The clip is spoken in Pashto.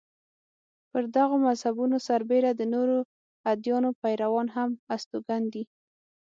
پر دغو مذهبونو سربېره د نورو ادیانو پیروان هم استوګن دي.